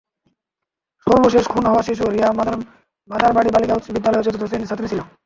সর্বশেষ খুন হওয়া শিশু রিয়া মাদারবাড়ি বালিকা বিদ্যালয়ের চতুর্থ শ্রেণির ছাত্রী ছিল।